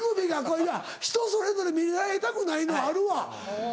いや人それぞれ見られたくないのあるわ。